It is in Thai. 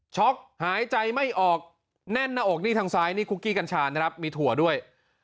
หายใจไม่ออกแน่นหน้าอกนี่ทางซ้ายนี่คุกกี้กัญชานะครับมีถั่วด้วย